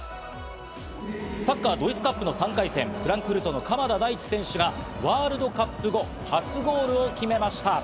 サッカードイツカップの３回戦、フランクフルトの鎌田大地選手がワールドカップ後、初ゴールを決めました。